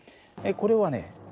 これはね